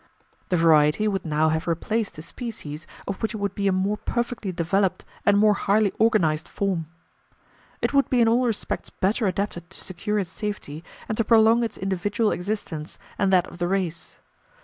The variety would now have replaced the species, of which it would be a more perfectly developed and more highly organized form. It would be in all respects better adapted to secure its safety, and to prolong its individual existence and that of the race.